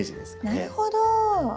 なるほど。